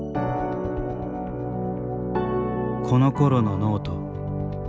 このころのノート。